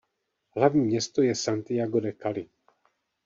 Hlavní město je Santiago de Cali.